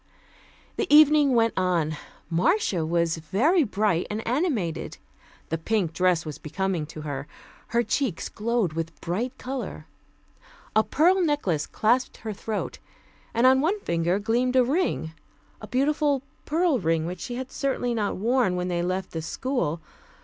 The evening went on. Marcia was very bright and animated. The pink dress was becoming to her. Her cheeks glowed with bright color. A pearl necklace clasped her throat, and on one finger gleamed a ring a beautiful pearl ring which she certainly had not worn when they left the school.